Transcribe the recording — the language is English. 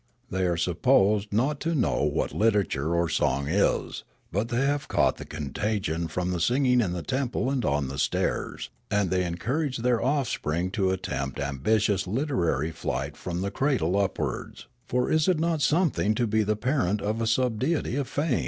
They are supposed not to know what literature or song is; but they have caught the contag ion from the singing in the temple and on the stairs, and they encourage their offspring to attempt ambi tious literary flight from the cradle upwards ; for is it not something to be the parent of a subdeity of Fame